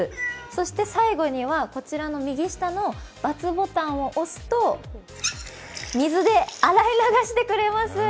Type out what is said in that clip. そして最後には、こちらの右下の×ボタンを押すと水で洗い流してくれます。